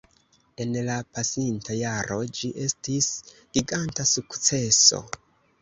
En la pasinta jaro, ĝi estis giganta sukceso